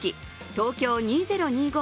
東京２０２５